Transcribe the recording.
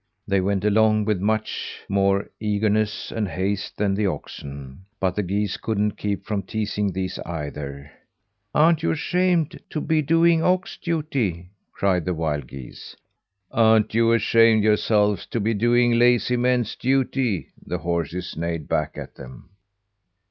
They went along with much more eagerness and haste than the oxen; but the geese couldn't keep from teasing these either. "Ar'n't you ashamed to be doing ox duty?" cried the wild geese. "Ar'n't you ashamed yourselves to be doing lazy man's duty?" the horses neighed back at them.